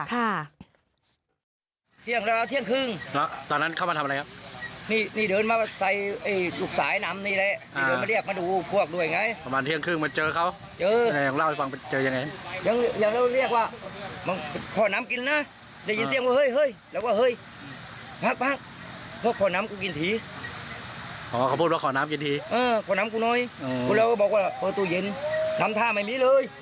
คุณแล้วก็บอกว่าเปิดตู้เย็นทำท่าไม่มีเลย